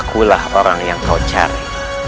akulah orang yang kau cari